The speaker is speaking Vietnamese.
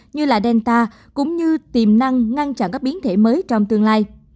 như là delta cũng như tiềm năng ngăn chặn các biến thể mới trong tương lai